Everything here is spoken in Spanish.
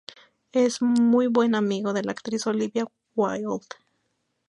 Es muy buen amigo de la actriz Olivia Wilde.